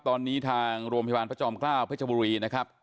ตอนนี้ทางโรงพยาบาลพระจอมเกล้าเพชรบุรีนะครับ